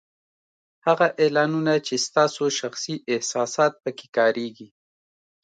هغه اعلانونه چې ستاسو شخصي احساسات په کې کارېږي